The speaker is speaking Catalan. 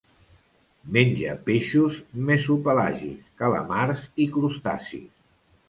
Menja peixos mesopelàgics, calamars i crustacis.